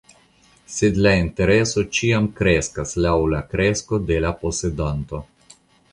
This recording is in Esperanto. Sed la intereso ĉiam kreskas laŭ la kresko de la posedanto.